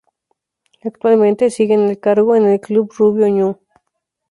Actualmente sigue en el cargo en el Club Rubio Ñu.